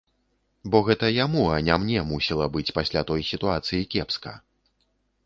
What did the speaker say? Бо гэта яму, а не мне, мусіла быць пасля той сітуацыі кепска.